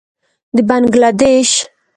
د بنګله دېش.